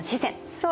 そう！